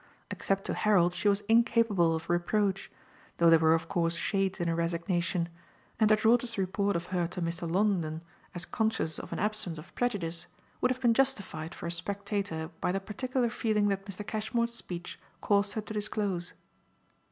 Except to Harold she was incapable of reproach, though there were of course shades in her resignation, and her daughter's report of her to Mr. Longdon as conscious of an absence of prejudice would have been justified for a spectator by the particular feeling that Mr. Cashmore's speech caused her to disclose.